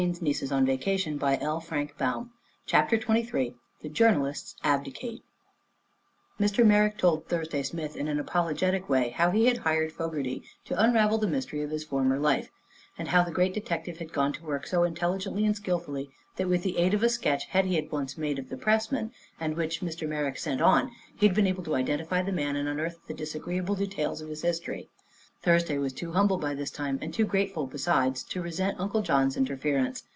Smith was too happy to refuse. He took Fogerty's hand. CHAPTER XXIII THE JOURNALISTS ABDICATE Mr. Merrick told Thursday Smith, in an apologetic way, how he had hired Fogerty to unravel the mystery of his former life, and how the great detective had gone to work so intelligently and skillfully that, with the aid of a sketch Hetty had once made of the pressman, and which Mr. Merrick sent on, he had been able to identify the man and unearth the disagreeable details of his history. Thursday was too humble, by this time, and too grateful, besides, to resent Uncle John's interference.